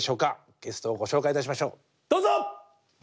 ゲストをご紹介いたしましょうどうぞ！